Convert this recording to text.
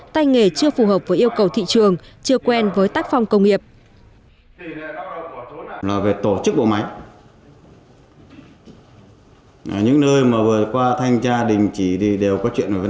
tay nghề chưa phù hợp với yêu cầu thị trường chưa quen với tác phong công nghiệp